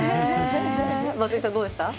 松井さん、どうでした？